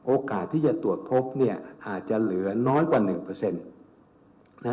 โอกาสที่จะตรวจพบเนี่ยอาจจะเหลือน้อยกว่า๑